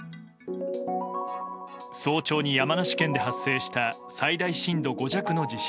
早朝に山梨県で発生した最大震度５弱の地震。